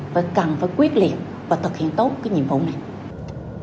phải cần phải quyết liệt và thực hiện tốt cái nhiệm vụ này